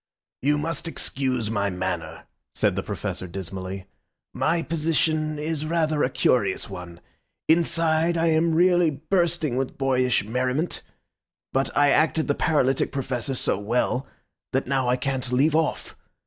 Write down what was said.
"You must excuse my manner," said the Professor dismally, "my position is rather a curious one. Inside I am really bursting with boyish merriment; but I acted the paralytic Professor so well, that now I can't leave off.